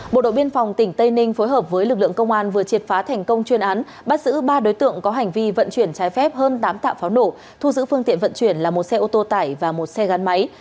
bộ đội biên phòng tỉnh tây ninh phối hợp với lực lượng công an vừa triệt phá thành công chuyên án bắt giữ ba đối tượng có hành vi vận chuyển trái phép hơn tám tạ pháo nổ thu giữ phương tiện vận chuyển là một xe ô tô tải và một xe gắn máy